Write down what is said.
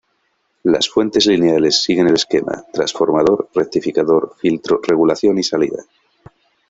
Las fuentes lineales siguen el esquema: transformador, rectificador, filtro, regulación y salida.